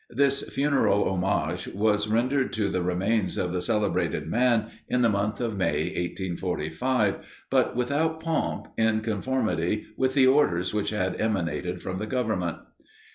This funeral homage was rendered to the remains of the celebrated man, in the month of May, 1845, but without pomp, in conformity with the orders which had emanated from the Government.